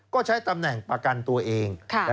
ก็ใช้ตำแหน่งประกันตัวเอง